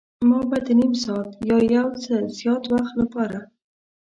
ما به د نیم ساعت یا یو څه زیات وخت لپاره.